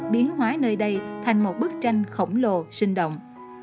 biến hóa nơi đây thành một bức tranh khổng lồ sinh động